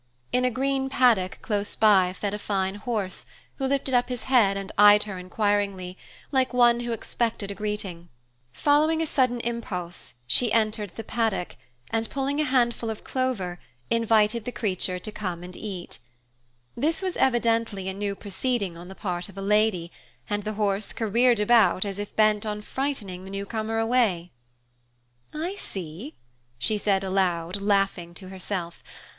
In a green paddock close by fed a fine horse, who lifted up his head and eyed her inquiringly, like one who expected a greeting. Following a sudden impulse, she entered the paddock and, pulling a handful of clover, invited the creature to come and eat. This was evidently a new proceeding on the part of a lady, and the horse careered about as if bent on frightening the newcomer away. "I see," she said aloud, laughing to herself.